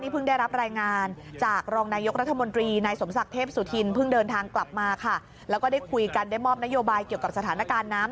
เพิ่มสูงสุด๔โมงเย็นวันนี้